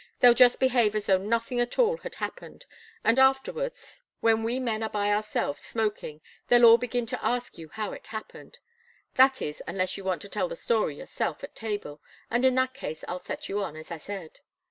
They'll just behave as though nothing at all had happened, and afterwards, when we men are by ourselves, smoking, they'll all begin to ask you how it happened. That is, unless you want to tell the story yourself at table, and in that case I'll set you on, as I said."